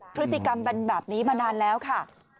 พฤติกรรมเป็นแบบนี้มานานแล้วค่ะ